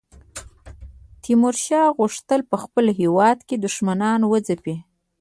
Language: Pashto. تیمورشاه غوښتل په خپل هیواد کې دښمنان وځپي.